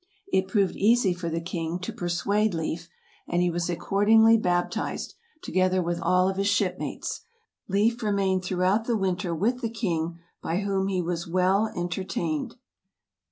It proved easy for the king to persuade Leif, and he was ac cordingly baptised, together with all of his shipmates. Leif remained throughout the winter with the king, by whom he was well entertained.